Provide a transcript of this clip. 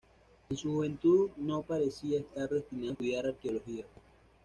En su juventud no parecía estar destinado a estudiar arqueología.